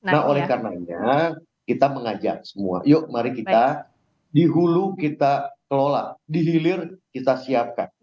nah oleh karenanya kita mengajak semua yuk mari kita dihulu kita kelola dihilir kita siapkan